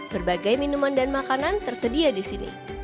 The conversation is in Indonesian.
berbagai minuman dan makanan tersedia di sini